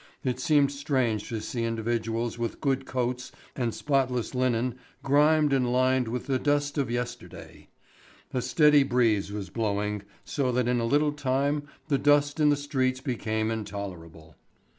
It seemed strange to see individuals with good coats and spotless linen grimed and lined with the dust of yesterday. A steady breeze was blowing so that in a little time the dust in the streets became intolerable.